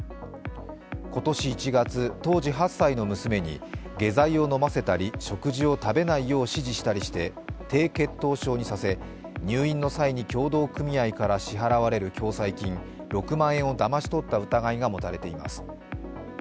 今年１月、当時８歳の娘に下剤を飲ませたり食事を食べないよう指示したりして低血糖症にさせ入院の際に協同組合から支払われる共済金、６万円をだましとった疑いが持たれています。